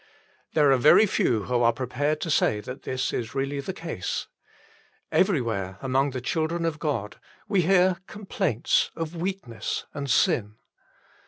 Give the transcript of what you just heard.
There are very few who are prepared to say that this is really the case. Everywhere among the children of God we hear complaints of weakness and sin.